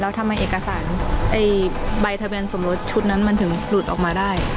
แล้วทำไมเอกสารใบทะเบียนสมรสชุดนั้นมันถึงหลุดออกมาได้